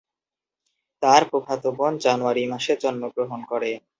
তার ফুফাতো বোন জানুয়ারি মাসে জন্মগ্রহণ করে।